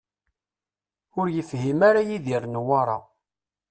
Ur yefhim ara Yidir Newwara.